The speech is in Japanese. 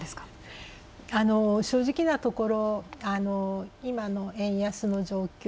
正直なところ今の円安の状況